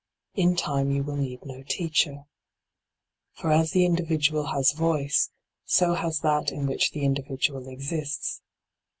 In time you will need no teacher. For as the individual has voice, so has that in which the individual exists.